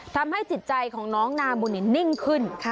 ทำให้จิตใจของน้องนาบุญนินนิ่งขึ้น